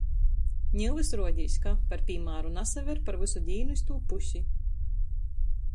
Niu vys ruodīs, ka, par pīmāru, nasaver par vysu dīnu iz tū pusi.